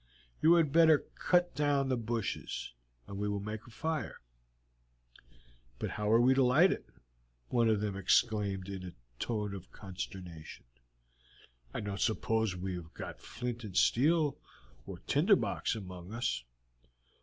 "You had better cut down the bushes, and we will make a fire." "But how are we to light it?" one of them exclaimed in a tone of consternation. "I don't suppose we have got flint and steel or tinder box among us."